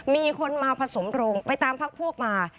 มีคนมาผสมรงศ์ไปตามพพวกมา